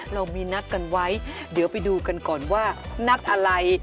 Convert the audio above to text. เรามีนัดกันไว้เดี๋ยวไปดูกันก่อนว่านัดอะไร